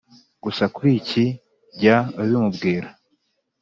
gusa kuri iki jya ubimubwira